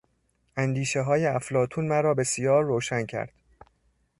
اندیشههای افلاطون مرا بسیار روشن کرد.